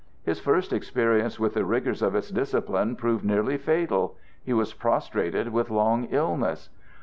His first experience with the rigors of its discipline proved nearly fatal. He was prostrated with long illness.